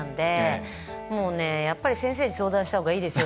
やっぱり先生に相談したほうがいいですよ